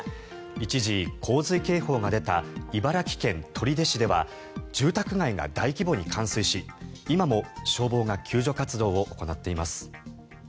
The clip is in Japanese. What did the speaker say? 一時、洪水警報が出た茨城県取手市では住宅街が大規模に冠水し今も消防が救助活動を行っています。